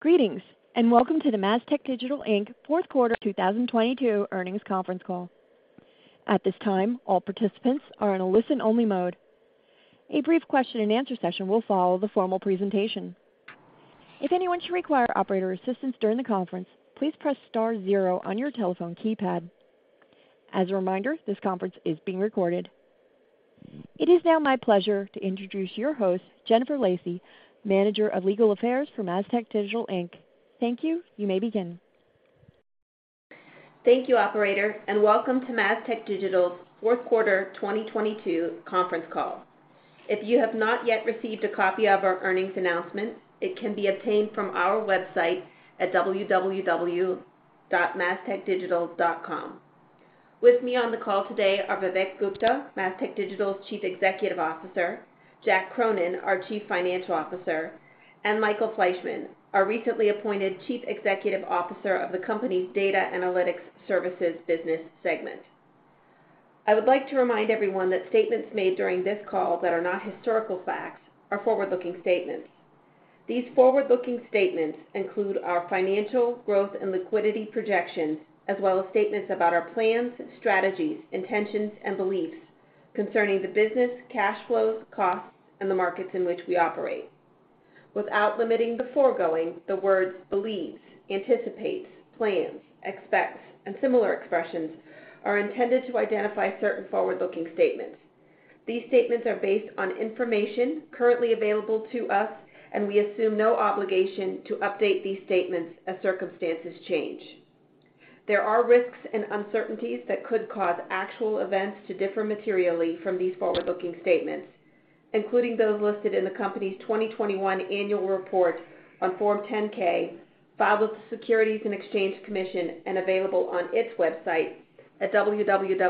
Greetings, welcome to the Mastech Digital Inc. fourth quarter 2022 earnings conference call. At this time, all participants are in a listen-only mode. A brief question-and-answer session will follow the formal presentation. If anyone should require operator assistance during the conference, please press star zero on your telephone keypad. As a reminder, this conference is being recorded. It is now my pleasure to introduce your host, Jennifer Lacey, Manager of Legal Affairs for Mastech Digital Inc. Thank you. You may begin. Thank you, operator, welcome to Mastech Digital's fourth quarter 2022 conference call. If you have not yet received a copy of our earnings announcement, it can be obtained from our website at www.mastechdigital.com. With me on the call today are Vivek Gupta, Mastech Digital's Chief Executive Officer, Jack Cronin, our Chief Financial Officer, and Michael Fleishman, our recently appointed Chief Executive Officer of the company's Data Analytics Services business segment. I would like to remind everyone that statements made during this call that are not historical facts are forward-looking statements. These forward-looking statements include our financial growth and liquidity projections, as well as statements about our plans, strategies, intentions, and beliefs concerning the business, cash flows, costs, and the markets in which we operate. Without limiting the foregoing, the words believes, anticipates, plans, expects, and similar expressions are intended to identify certain forward-looking statements. These statements are based on information currently available to us, and we assume no obligation to update these statements as circumstances change. There are risks and uncertainties that could cause actual events to differ materially from these forward-looking statements, including those listed in the company's 2021 annual report on Form 10-K, filed with the Securities and Exchange Commission and available on its website at www.sec.gov.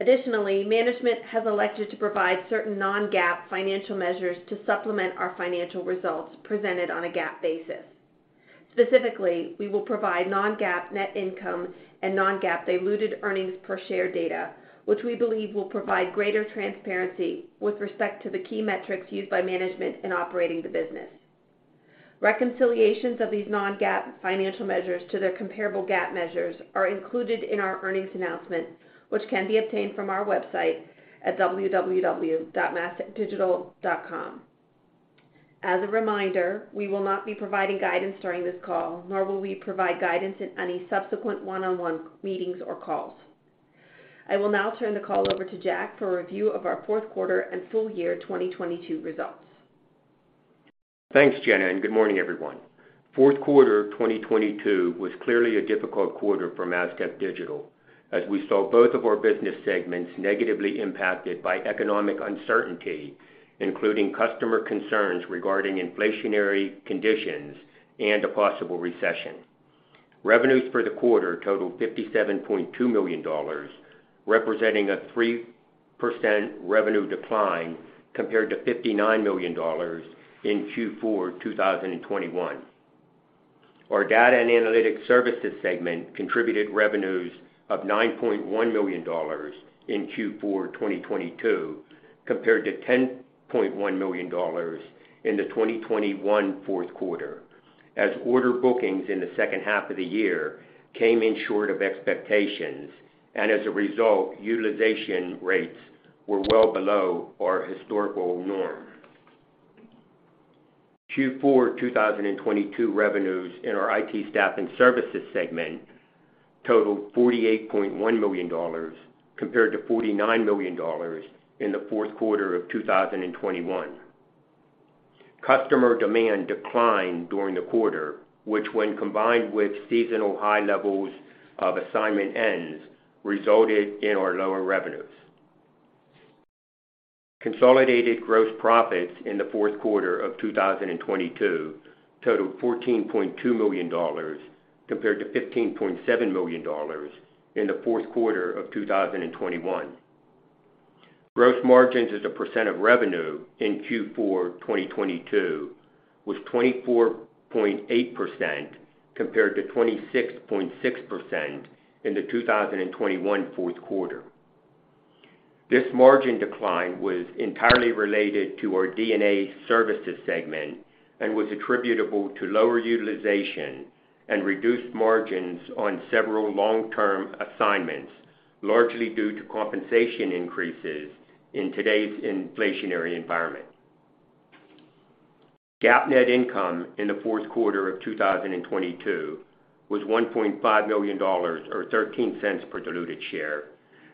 Additionally, management has elected to provide certain non-GAAP financial measures to supplement our financial results presented on a GAAP basis. Specifically, we will provide non-GAAP net income and non-GAAP diluted earnings per share data, which we believe will provide greater transparency with respect to the key metrics used by management in operating the business. Reconciliations of these non-GAAP financial measures to their comparable GAAP measures are included in our earnings announcement, which can be obtained from our website at www.mastechdigital.com. As a reminder, we will not be providing guidance during this call, nor will we provide guidance in any subsequent one-on-one meetings or calls. I will now turn the call over to Jack for a review of our fourth quarter and full year 2022 results. Thanks, Jenna, good morning, everyone. Fourth quarter 2022 was clearly a difficult quarter for Mastech Digital as we saw both of our business segments negatively impacted by economic uncertainty, including customer concerns regarding inflationary conditions and a possible recession. Revenues for the quarter totaled $57.2 million, representing a 3% revenue decline compared to $59 million in Q4 2021. Our data and analytics services segment contributed revenues of $9.1 million in Q4 2022 compared to $10.1 million in the 2021 fourth quarter as order bookings in the second half of the year came in short of expectations, and as a result, utilization rates were well below our historical norm. Q4 2022 revenues in our IT staff and services segment totaled $48.1 million compared to $49 million in the fourth quarter of 2021. Customer demand declined during the quarter, which when combined with seasonal high levels of assignment ends, resulted in our lower revenues. Consolidated gross profits in the fourth quarter of 2022 totaled $14.2 million compared to $15.7 million in the fourth quarter of 2021. Gross margins as a % of revenue in Q4 2022 was 24.8% compared to 26.6% in the 2021 fourth quarter. This margin decline was entirely related to our DNA services segment and was attributable to lower utilization and reduced margins on several long-term assignments, largely due to compensation increases in today's inflationary environment. GAAP net income in the fourth quarter of 2022 was $1.5 million, or $0.13 per diluted share,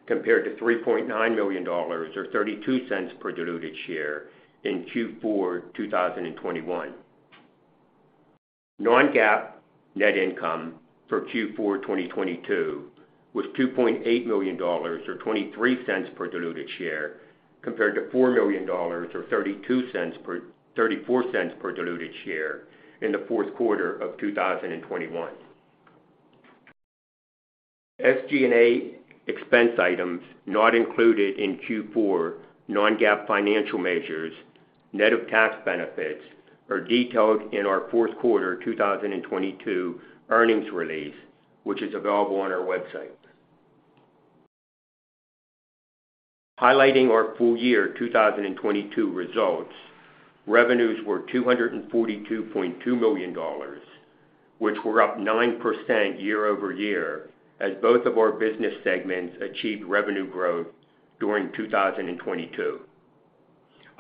compared to $3.9 million or $0.32 per diluted share in Q4 2021. Non-GAAP net income for Q4 2022 was $2.8 million or $0.23 per diluted share compared to $4 million or $0.34 per diluted share in the fourth quarter of 2021. SG&A expense items not included in Q4 non-GAAP financial measures, net of tax benefits, are detailed in our fourth quarter 2022 earnings release, which is available on our website. Highlighting our full year 2022 results, revenues were $242.2 million, which were up 9% year-over-year as both of our business segments achieved revenue growth during 2022.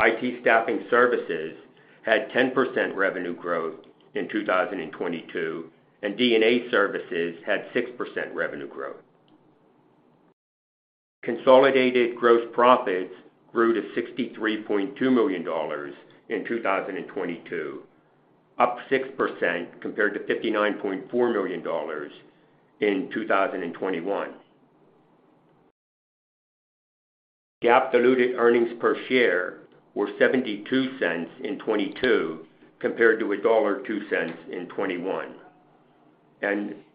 IT staffing services had 10% revenue growth in 2022, and DNA services had 6% revenue growth. Consolidated gross profits grew to $63.2 million in 2022, up 6% compared to $59.4 million in 2021. GAAP diluted earnings per share were $0.72 in 2022 compared to $1.02 in 2021.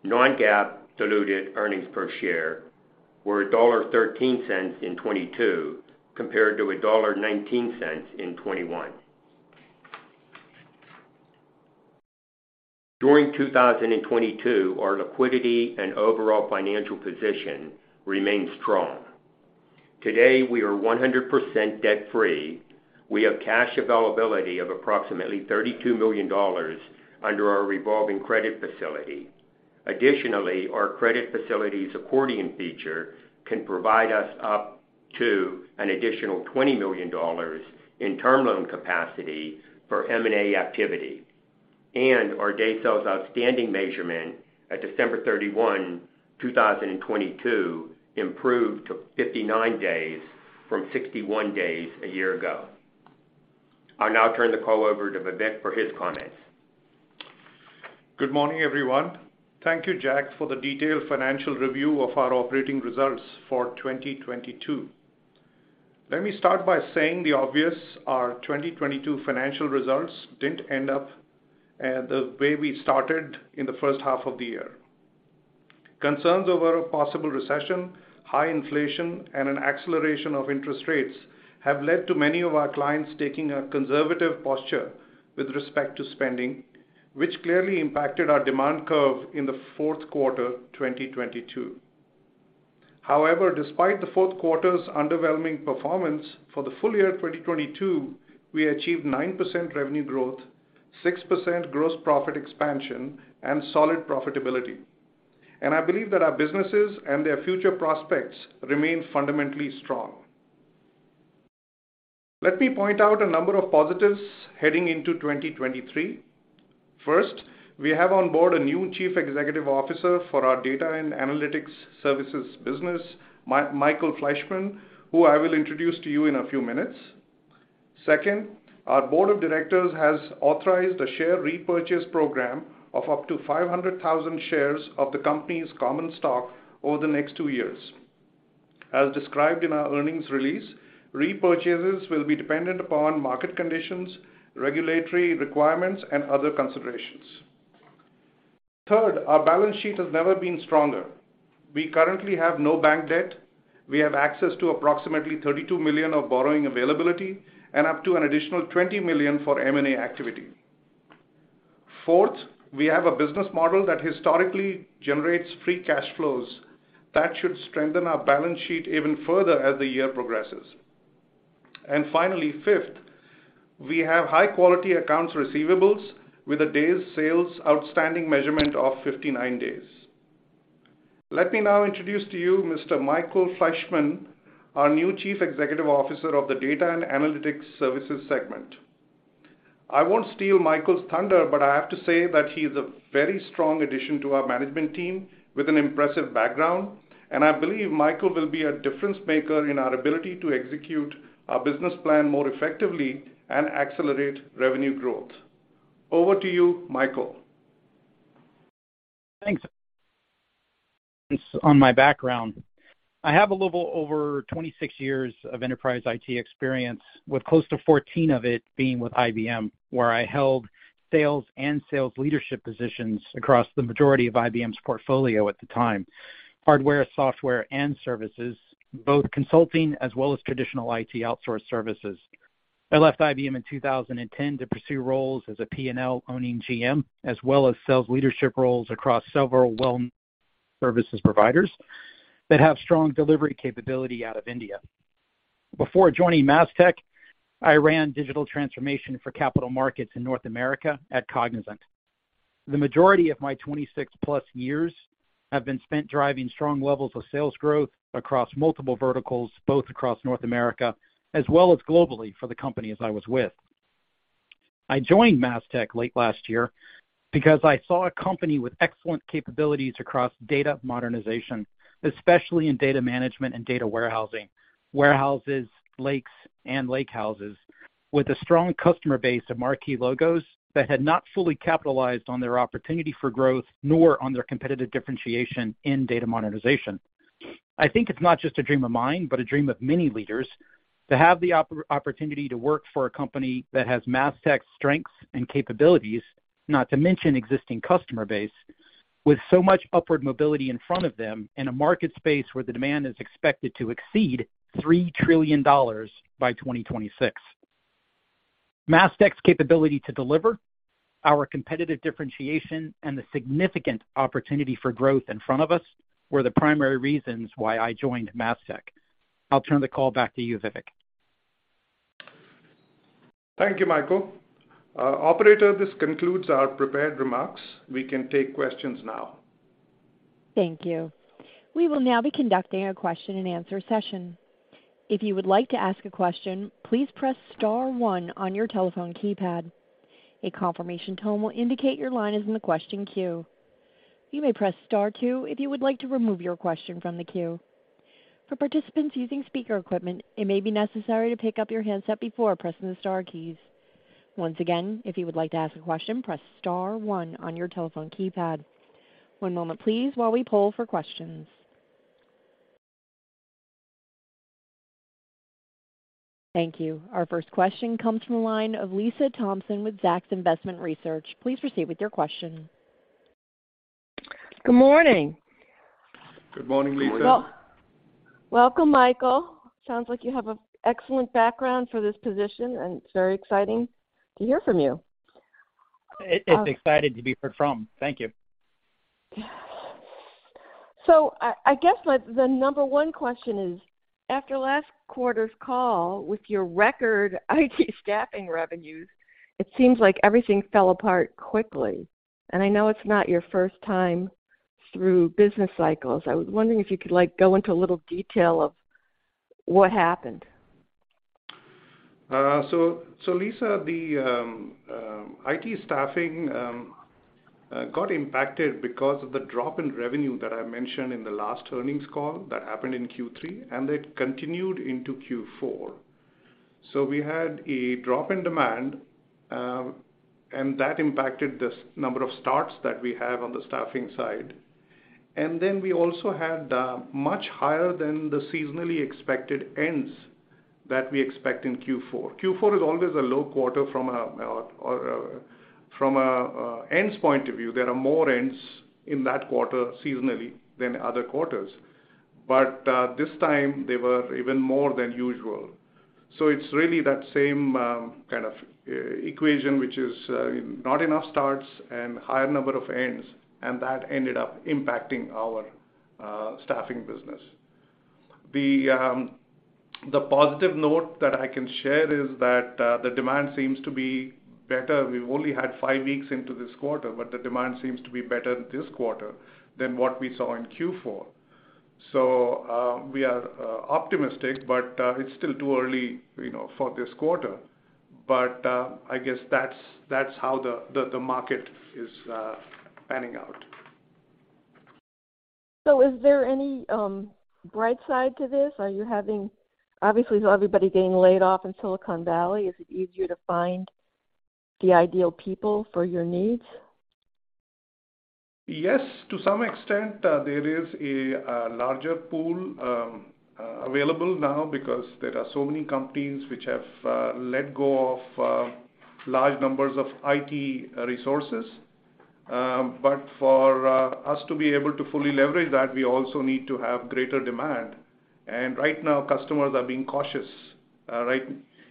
Non-GAAP diluted earnings per share were $1.13 in 2022 compared to $1.19 in 2021. During 2022, our liquidity and overall financial position remained strong. Today, we are 100% debt-free. We have cash availability of approximately $32 million under our revolving credit facility. Additionally, our credit facility's accordion feature can provide us up to an additional $20 million in term loan capacity for M&A activity. Our day sales outstanding measurement at December 31, 2022 improved to 59 days from 61 days a year ago. I'll now turn the call over to Vivek for his comments. Good morning, everyone. Thank you, Jack, for the detailed financial review of our operating results for 2022. Let me start by saying the obvious. Our 2022 financial results didn't end up the way we started in the first half of the year. Concerns over a possible recession, high inflation, and an acceleration of interest rates have led to many of our clients taking a conservative posture with respect to spending, which clearly impacted our demand curve in the fourth quarter 2022. However, despite the fourth quarter's underwhelming performance for the full year 2022, we achieved 9% revenue growth, 6% gross profit expansion, and solid profitability. I believe that our businesses and their future prospects remain fundamentally strong. Let me point out a number of positives heading into 2023. First, we have on board a new Chief Executive Officer for our data and analytics services business, Michael Fleishman, who I will introduce to you in a few minutes. Second, our board of directors has authorized a share repurchase program of up to 500,000 shares of the company's common stock over the next 2 years. As described in our earnings release, repurchases will be dependent upon market conditions, regulatory requirements, and other considerations. Third, our balance sheet has never been stronger. We currently have no bank debt. We have access to approximately $32 million of borrowing availability and up to an additional $20 million for M&A activity. Fourth, we have a business model that historically generates free cash flows that should strengthen our balance sheet even further as the year progresses. Finally, fifth, we have high-quality accounts receivables with a days sales outstanding measurement of 59 days. Let me now introduce to you Mr. Michael Fleishman, our new Chief Executive Officer of the data and analytics services segment. I won't steal Michael's thunder, but I have to say that he is a very strong addition to our management team with an impressive background, and I believe Michael will be a difference maker in our ability to execute our business plan more effectively and accelerate revenue growth. Over to you, Michael. Thanks. On my background. I have a little over 26 years of enterprise IT experience, with close to 14 of it being with IBM, where I held sales and sales leadership positions across the majority of IBM's portfolio at the time, hardware, software, and services, both consulting as well as traditional IT outsource services. I left IBM in 2010 to pursue roles as a P&L-owning GM, as well as sales leadership roles across several well services providers that have strong delivery capability out of India. Before joining Mastech Digital, I ran digital transformation for capital markets in North America at Cognizant. The majority of my 26+ years have been spent driving strong levels of sales growth across multiple verticals, both across North America as well as globally for the companies I was with. I joined Mastech Digital late last year because I saw a company with excellent capabilities across data modernization, especially in data management and data warehousing, warehouses, lakes, and lakehouses, with a strong customer base of marquee logos that had not fully capitalized on their opportunity for growth nor on their competitive differentiation in data modernization. I think it's not just a dream of mine, but a dream of many leaders to have the opportunity to work for a company that has Mastech Digital's strengths and capabilities, not to mention existing customer base, with so much upward mobility in front of them in a market space where the demand is expected to exceed $3 trillion by 2026. Mastech Digital's capability to deliver our competitive differentiation and the significant opportunity for growth in front of us were the primary reasons why I joined Mastech Digital. I'll turn the call back to you, Vivek. Thank you, Michael. Operator, this concludes our prepared remarks. We can take questions now. Thank you. We will now be conducting a question-and-answer session. If you would like to ask a question, please press star one on your telephone keypad. A confirmation tone will indicate your line is in the question queue. You may press star two if you would like to remove your question from the queue. For participants using speaker equipment, it may be necessary to pick up your handset before pressing the star keys. Once again, if you would like to ask a question, press star one on your telephone keypad. One moment please while we poll for questions. Thank you. Our first question comes from the line of Lisa Thompson with Zacks Investment Research. Please proceed with your question. Good morning. Good morning, Lisa. Good morning. Welcome, Michael. Sounds like you have a excellent background for this position, and it's very exciting to hear from you. Excited to be heard from. Thank you. I guess the number 1 question is, after last quarter's call with your record IT staffing revenues, it seems like everything fell apart quickly, and I know it's not your first time through business cycles. I was wondering if you could, like, go into a little detail of what happened. Lisa, the IT staffing got impacted because of the drop in revenue that I mentioned in the last earnings call that happened in Q3, and it continued into Q4. We had a drop in demand, and that impacted the number of starts that we have on the staffing side. We also had much higher than the seasonally expected ends that we expect in Q4. Q4 is always a low quarter from an ends point of view. There are more ends in that quarter seasonally than other quarters. This time, they were even more than usual. It's really that same kind of equation, which is not enough starts and higher number of ends, and that ended up impacting our staffing business. The positive note that I can share is that the demand seems to be better. We've only had 5 weeks into this quarter, but the demand seems to be better this quarter than what we saw in Q4. We are optimistic, but it's still too early, you know, for this quarter. I guess that's how the market is panning out. Is there any bright side to this? Obviously, everybody getting laid off in Silicon Valley, is it easier to find the ideal people for your needs? Yes, to some extent. There is a larger pool available now because there are so many companies which have let go of large numbers of IT resources. But for us to be able to fully leverage that, we also need to have greater demand. Right now, customers are being cautious, right,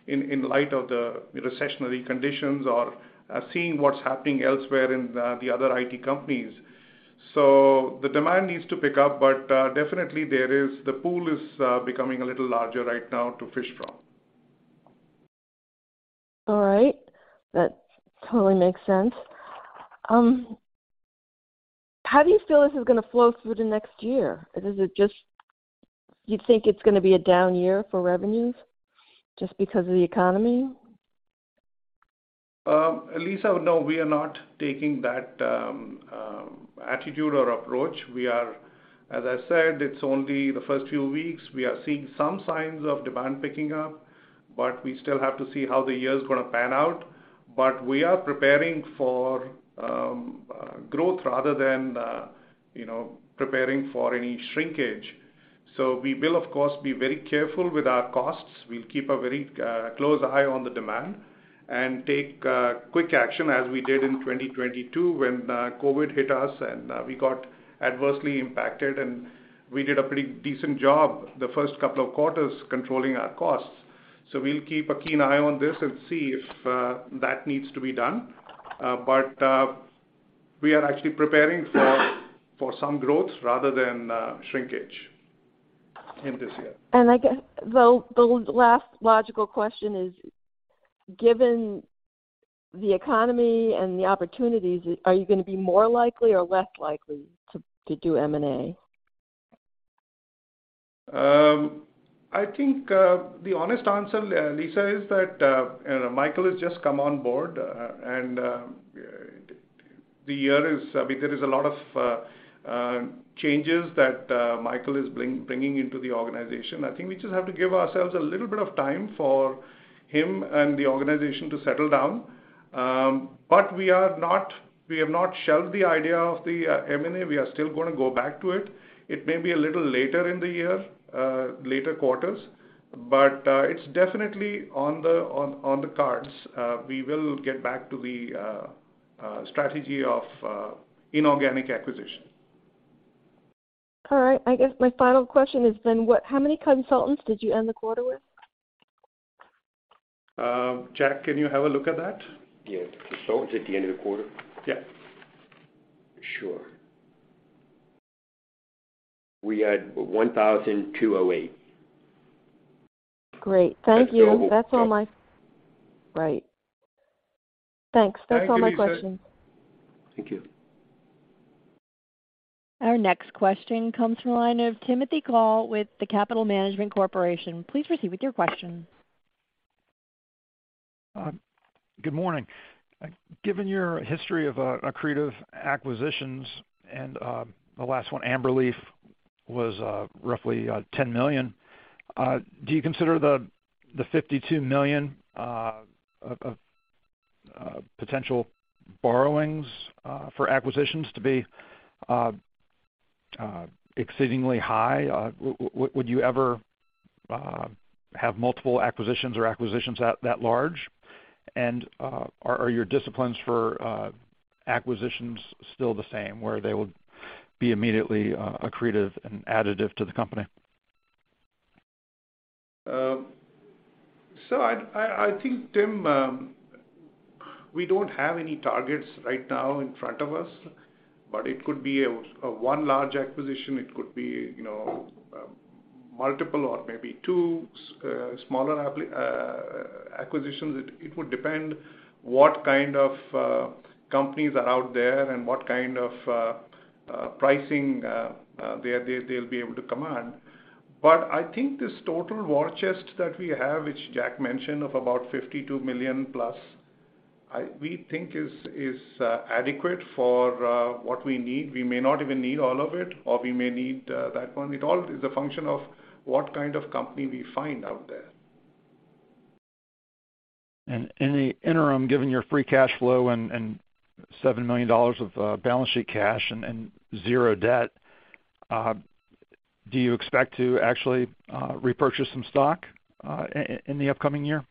in light of the recessionary conditions or seeing what's happening elsewhere in the other IT companies. The demand needs to pick up, but definitely there is... the pool is becoming a little larger right now to fish from. All right. That totally makes sense. How do you feel this is gonna flow through the next year? You think it's gonna be a down year for revenues just because of the economy? Lisa, no, we are not taking that attitude or approach. As I said, it's only the first few weeks. We are seeing some signs of demand picking up, but we still have to see how the year's gonna pan out. We are preparing for growth rather than, you know, preparing for any shrinkage. We will, of course, be very careful with our costs. We'll keep a very close eye on the demand and take quick action as we did in 2022 when COVID hit us and we got adversely impacted, and we did a pretty decent job the first couple of quarters controlling our costs. We'll keep a keen eye on this and see if that needs to be done. We are actually preparing for some growth rather than shrinkage in this year. I guess the last logical question is, given the economy and the opportunities, are you gonna be more likely or less likely to do M&A? I think the honest answer, Lisa, is that, you know, Michael has just come on board, and the year is. I mean, there is a lot of changes that Michael is bringing into the organization. I think we just have to give ourselves a little bit of time for him and the organization to settle down. But we are not, we have not shelved the idea of the M&A. We are still gonna go back to it. It may be a little later in the year, later quarters, but it's definitely on the cards. We will get back to the strategy of inorganic acquisition. All right. I guess my final question is then how many consultants did you end the quarter with? Jack, can you have a look at that? Yeah. Consultants at the end of the quarter? Yeah. Sure. We had $1,208. Great. Thank you. That's the global. Right. Thanks. That's all my questions. Thank you, Lisa. Thank you. Our next question comes from the line of Timothy Call with The Capital Management Corporation. Please proceed with your question. Good morning. Given your history of accretive acquisitions and the last one, AmberLeaf, was roughly $10 million, do you consider the $52 million of potential borrowings for acquisitions to be exceedingly high? Would you ever have multiple acquisitions or acquisitions at that large? Are your disciplines for acquisitions still the same, where they would be immediately accretive and additive to the company? I think, Tim, we don't have any targets right now in front of us, it could be one large acquisition. It could be, you know, multiple or maybe two smaller acquisitions. It would depend what kind of companies are out there and what kind of pricing they'll be able to command. I think this total war chest that we have, which Jack mentioned, of about $52 million plus, We think is adequate for what we need. We may not even need all of it, or we may need that one. It all is a function of what kind of company we find out there. In the interim, given your free cash flow and $7 million of balance sheet cash and 0 debt, do you expect to actually repurchase some stock in the upcoming year?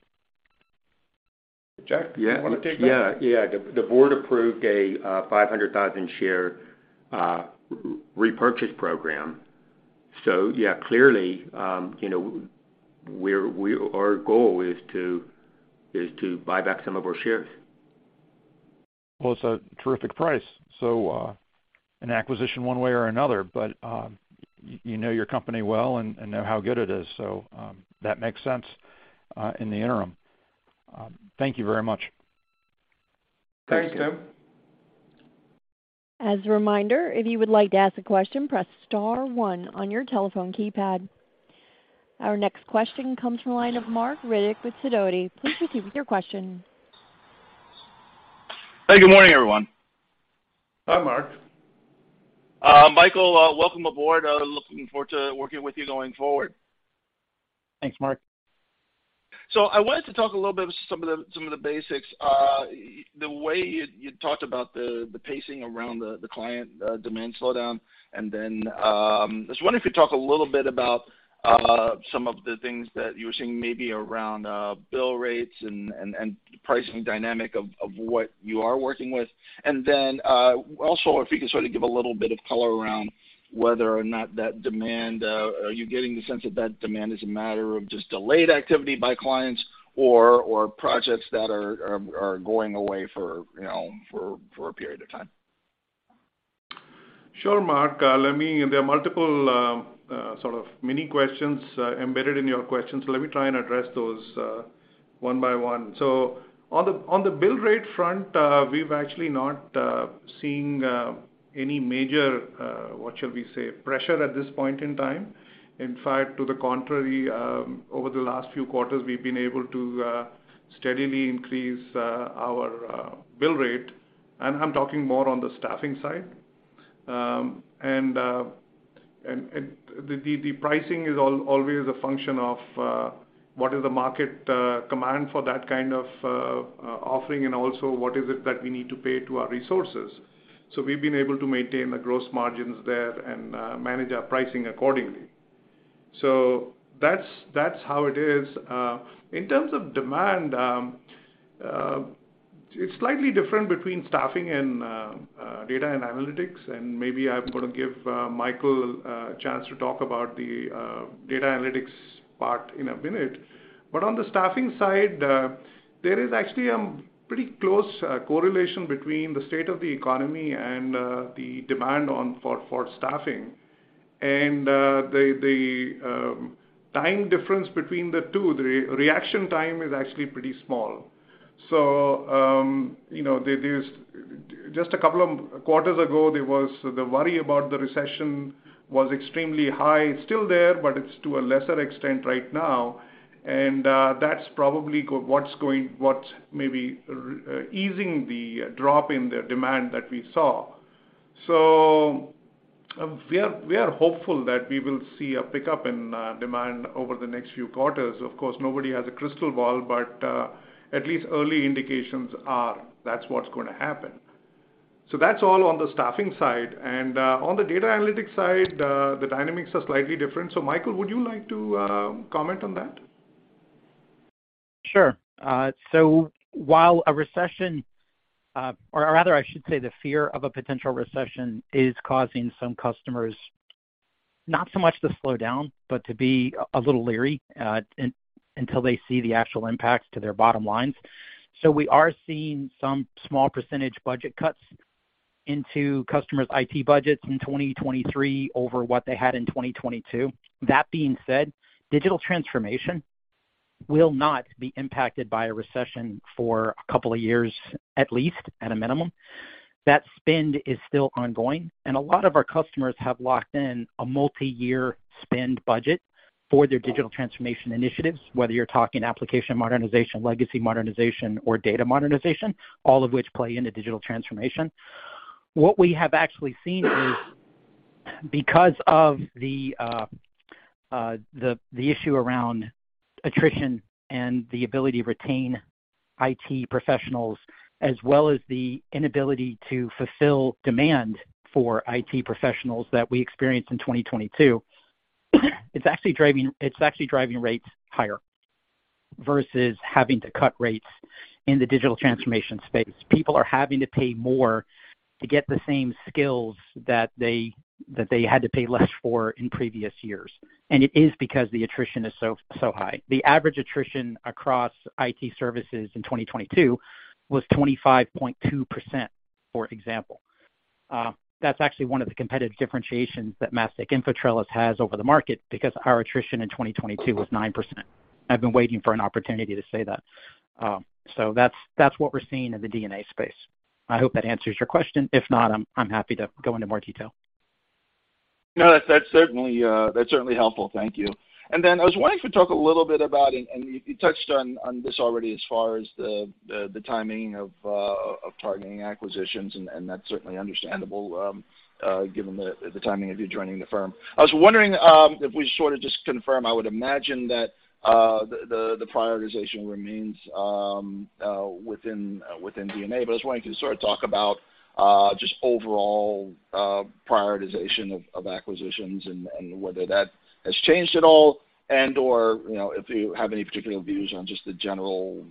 Jack? Yeah. You wanna take that? Yeah. The board approved a 500,000 share repurchase program. Yeah, clearly, you know, our goal is to buy back some of our shares. Well, it's a terrific price, so, an acquisition one way or another, but, you know your company well and know how good it is, so, that makes sense, in the interim. Thank you very much. Thanks, Tim. Thank you. As a reminder, if you would like to ask a question, press star one on your telephone keypad. Our next question comes from line of Marc Riddick with Sidoti. Please proceed with your question. Hey, good morning, everyone. Hi, Marc. Michael, welcome aboard. Looking forward to working with you going forward. Thanks, Marc. I wanted to talk a little bit about some of the basics. The way you talked about the pacing around the client demand slowdown, and then, I was wondering if you talk a little bit about some of the things that you're seeing maybe around bill rates and pricing dynamic of what you are working with. Also, if you could sort of give a little bit of color around whether or not that demand, are you getting the sense that that demand is a matter of just delayed activity by clients or projects that are going away for, you know, for a period of time? Sure, Marc. There are multiple sort of mini questions embedded in your question, so let me try and address those one by one. On the bill rate front, we've actually not seen any major, what shall we say, pressure at this point in time. In fact, to the contrary, over the last few quarters, we've been able to steadily increase our bill rate, and I'm talking more on the staffing side. And the pricing is always a function of what is the market command for that kind of offering, and also what is it that we need to pay to our resources. So we've been able to maintain the gross margins there and manage our pricing accordingly. That's how it is. In terms of demand, it's slightly different between staffing and data and analytics, and maybe I'm gonna give Michael a chance to talk about the data analytics part in a minute. On the staffing side, there is actually pretty close correlation between the state of the economy and the demand for staffing. The time difference between the two, the re-reaction time is actually pretty small. You know, just a couple of quarters ago, there was the worry about the recession was extremely high. It's still there, but it's to a lesser extent right now. That's probably what's going what's maybe easing the drop in the demand that we saw. We are hopeful that we will see a pickup in demand over the next few quarters. Of course, nobody has a crystal ball, but at least early indications are that's what's gonna happen. That's all on the staffing side. On the data analytics side, the dynamics are slightly different. Michael, would you like to comment on that? Sure. While a recession, or rather I should say the fear of a potential recession is causing some customers not so much to slow down, but to be a little leery until they see the actual impacts to their bottom lines. We are seeing some small percentage budget cuts into customers' IT budgets in 2023 over what they had in 2022. That being said, digital transformation will not be impacted by a recession for a couple of years, at least, at a minimum. That spend is still ongoing, and a lot of our customers have locked in a multi-year spend budget for their digital transformation initiatives, whether you're talking application modernization, legacy modernization, or data modernization, all of which play into digital transformation. What we have actually seen is because of the issue around attrition and the ability to retain IT professionals, as well as the inability to fulfill demand for IT professionals that we experienced in 2022, it's actually driving rates higher versus having to cut rates in the digital transformation space. People are having to pay more to get the same skills that they, that they had to pay less for in previous years. It is because the attrition is so high. The average attrition across IT services in 2022 was 25.2%, for example. That's actually one of the competitive differentiations that Mastech InfoTrellis has over the market because our attrition in 2022 was 9%. I've been waiting for an opportunity to say that. That's what we're seeing in the DNA space. I hope that answers your question. If not, I'm happy to go into more detail. No, that's certainly helpful. Thank you. Then I was wondering if you could talk a little bit about, and you touched on this already as far as the timing of targeting acquisitions, and that's certainly understandable, given the timing of you joining the firm. I was wondering if we sort of just confirm, I would imagine that the prioritization remains within DNA. I was wondering if you could sort of talk about just overall prioritization of acquisitions and whether that has changed at all and/or, you know, if you have any particular views on just the general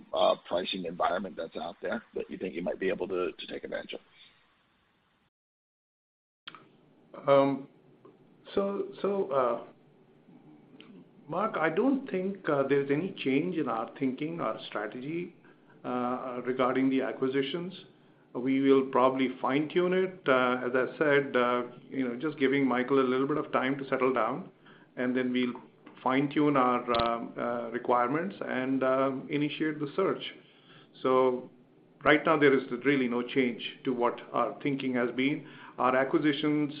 pricing environment that's out there that you think you might be able to take advantage of. Marc, I don't think there's any change in our thinking, our strategy, regarding the acquisitions. We will probably fine-tune it. As I said, you know, just giving Michael a little bit of time to settle down, and then we'll fine-tune our requirements and initiate the search. Right now there is really no change to what our thinking has been. Our acquisitions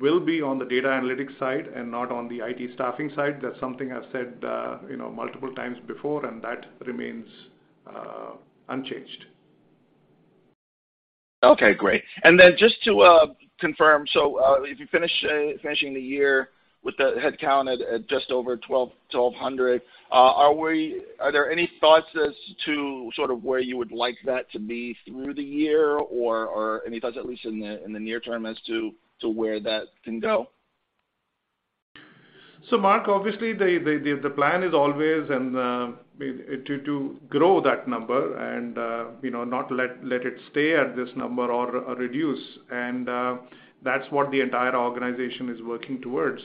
will be on the data analytics side and not on the IT staffing side. That's something I've said, you know, multiple times before, and that remains unchanged. Okay, great. Then just to confirm, if you finish, finishing the year with the headcount at just over 1,200, are there any thoughts as to sort of where you would like that to be through the year or any thoughts, at least in the, in the near term as to where that can go? Marc, obviously the plan is always and it to grow that number, you know, not let it stay at this number or reduce. That's what the entire organization is working towards.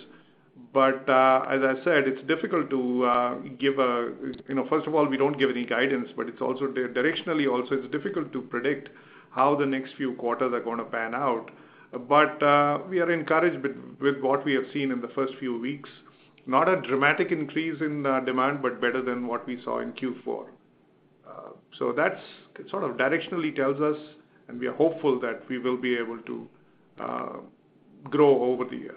As I said, it's difficult. You know, first of all, we don't give any guidance, but it's also directionally also, it's difficult to predict how the next few quarters are gonna pan out. We are encouraged with what we have seen in the first few weeks. Not a dramatic increase in demand, but better than what we saw in Q4. That's sort of directionally tells us, and we are hopeful that we will be able to grow over the year.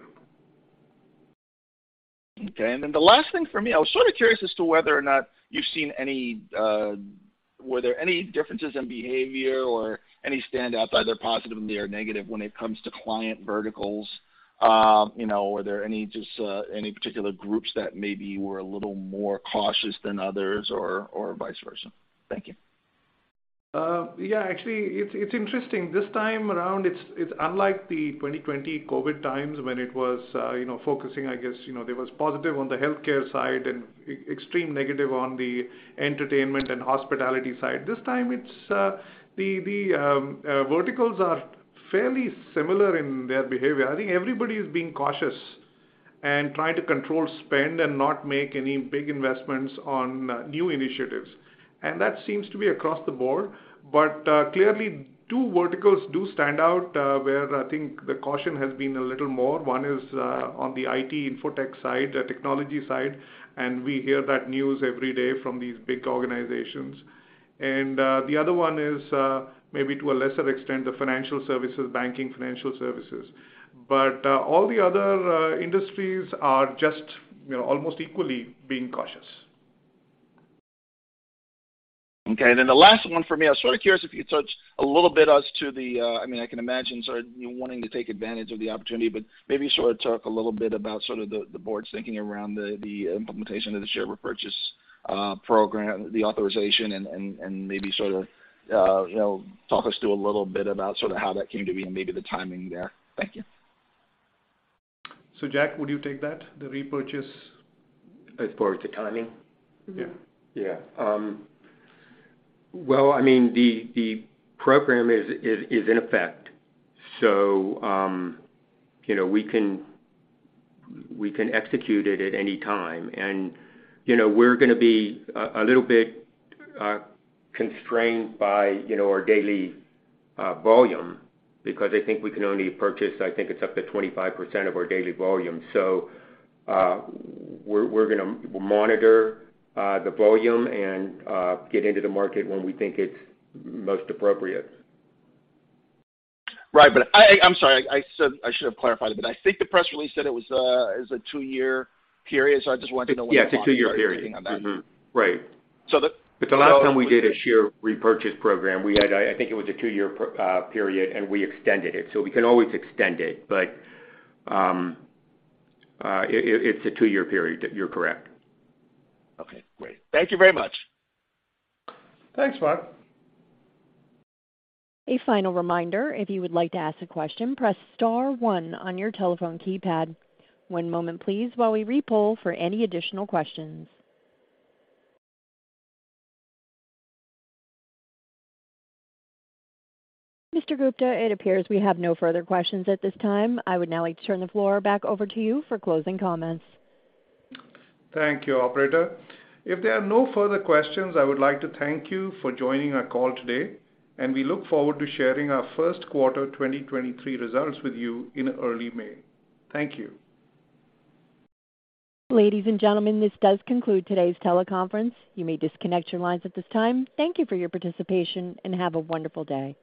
Okay. The last thing for me, I was sort of curious as to whether or not you've seen any, were there any differences in behavior or any standouts, either positively or negative, when it comes to client verticals? You know, were there any just, any particular groups that maybe were a little more cautious than others or vice versa? Thank you. Yeah, actually, it's interesting. This time around, it's unlike the 2020 COVID times when it was, you know, focusing, I guess, you know, there was positive on the healthcare side and extreme negative on the entertainment and hospitality side. This time it's, the verticals are fairly similar in their behavior. I think everybody is being cautious and trying to control spend and not make any big investments on new initiatives. That seems to be across the board. Clearly two verticals do stand out where I think the caution has been a little more. One is on the IT infotech side, the technology side, and we hear that news every day from these big organizations. The other one is maybe to a lesser extent, the financial services, banking financial services. All the other industries are just, you know, almost equally being cautious. Okay. Then the last one for me, I was sort of curious if you could touch a little bit as to the, I mean, I can imagine sort of you wanting to take advantage of the opportunity, but maybe sort of talk a little bit about sort of the board's thinking around the implementation of the share repurchase program, the authorization and maybe sort of, you know, talk us through a little bit about sort of how that came to be and maybe the timing there. Thank you. Jack, would you take that? The repurchase As far as the timing? Yeah. Yeah. Well, I mean, the program is in effect, so, you know, we can execute it at any time. You know, we're gonna be a little bit, constrained by, you know, our daily volume because I think we can only purchase I think it's up to 25% of our daily volume. We're gonna monitor the volume and get into the market when we think it's most appropriate. Right. I'm sorry, I said I should have clarified, but I think the press release said it was a two-year period, so I just wanted to know. Yeah, it's a two-year period. you were planning on starting on that. Mm-hmm. Right. So the- The last time we did a share repurchase program, we had, I think it was a two-year period, and we extended it. We can always extend it. It's a two-year period. You're correct. Okay, great. Thank you very much. Thanks, Marc. A final reminder, if you would like to ask a question, press star one on your telephone keypad. One moment please while we re-poll for any additional questions. Mr. Gupta, it appears we have no further questions at this time. I would now like to turn the floor back over to you for closing comments. Thank you, operator. If there are no further questions, I would like to thank you for joining our call today, and we look forward to sharing our first quarter 2023 results with you in early May. Thank you. Ladies and gentlemen, this does conclude today's teleconference. You may disconnect your lines at this time. Thank you for your participation, and have a wonderful day.